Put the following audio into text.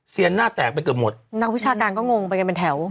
หน้าแตกไปเกือบหมดนักวิชาการก็งงไปกันเป็นแถว